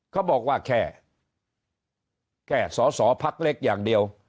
เขาบอกว่าแค่แค่สอสอพักเล็กอย่างเดียว